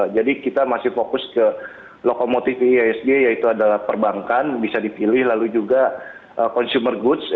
jadi kita masih fokus ke lokomotif ihsg yaitu adalah perbankan bisa dipilih lalu juga consumer goods